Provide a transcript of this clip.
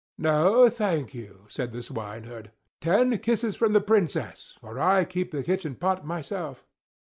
"No, thank you!" said the swineherd. "Ten kisses from the Princess, or I keep the kitchen pot myself."